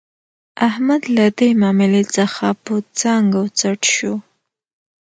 احمد له دې ماملې څخه په څنګ و څټ شو.